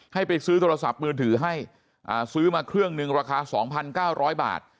ให้ไปซื้อโทรศัพท์มือถือให้ซื้อมาเครื่องหนึ่งราคา๒๙๐๐บาท